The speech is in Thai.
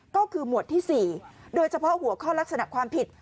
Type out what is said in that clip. ก็คือหมวดที่๔โดยเฉพาะหัวข้อลักษณะความผิด